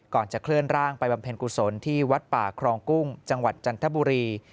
ก่อนจะเคลื่อนร่างไปบำเพ็ญกุศลที่วัดป่าครองกุ้งจังหวัดจันทบุรี